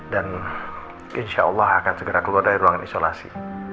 dan insya allah akan segera keluar dari ruangan isolasi